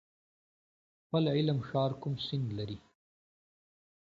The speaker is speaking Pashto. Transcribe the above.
پل علم ښار کوم سیند لري؟